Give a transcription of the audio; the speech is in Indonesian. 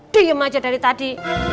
diem aja dari tadi